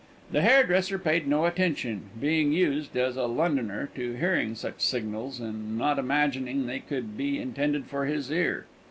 The hairdresser paid no attention, being used, as a Londoner, to hearing such signals, and not imagining they could be intended for his ear.